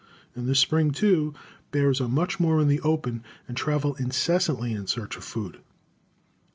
In the spring, too, bears are much more in the open, and travel incessantly in search of food.